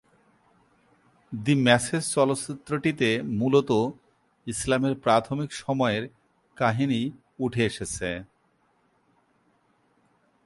দি message চলচ্চিত্রটিতে মূলত ইসলামের প্রাথমিক সময়ের কাহিনী উঠে এসেছে।